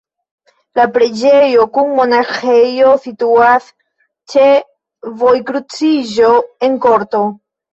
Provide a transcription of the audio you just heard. La preĝejo kun monaĥejo situas ĉe vojkruciĝo en korto.